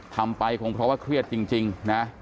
ทำไปคงเพราะว่าเครียดจริงนะ